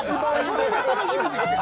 それが楽しみできてる。